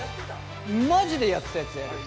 マジでやってたやつやるよ